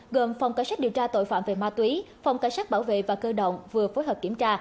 gồm phòng cảnh sát điều tra tội phạm về ma túy phòng cảnh sát bảo vệ và cơ động vừa phối hợp kiểm tra